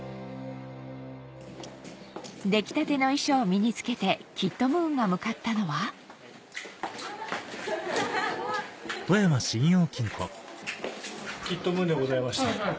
出来たての衣装を身に着けてキットムーンが向かったのはキットムーンでございまして。